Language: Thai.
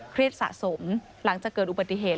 สะสมหลังจากเกิดอุบัติเหตุ